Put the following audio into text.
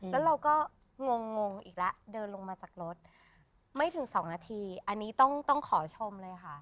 แล้วเราก็งงงอีกแล้วเดินลงมาจากรถไม่ถึง๒นาทีอันนี้ต้องขอชมเลยค่ะ